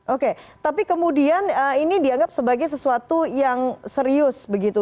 oke tapi kemudian ini dianggap sebagai sesuatu yang serius begitu